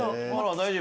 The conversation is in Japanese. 大丈夫？